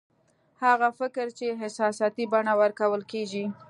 هغه فکر چې احساساتي بڼه ورکول کېږي